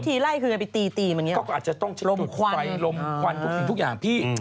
พอทีไล่คือก็ไปตีมันอย่างนี้เหรอลมควันก็อาจจะต้องใช้ตุ๊กไฟลมควันคือทุกอย่างพี่